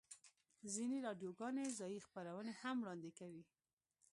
ځینې راډیوګانې ځایی خپرونې هم وړاندې کوي